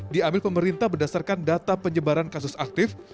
diambil pemerintah berdasarkan data penyebaran kasus aktif